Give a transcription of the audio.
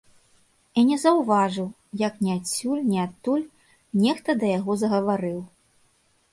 І не заўважыў, як ні адсюль, ні адтуль нехта да яго загаварыў.